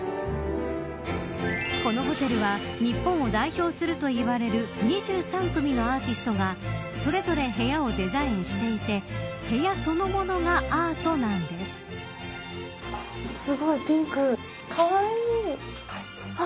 このホテルは日本を代表するといわれる２３組のアーティストがそれぞれ部屋をデザインしていて部屋そのものがアートなんです。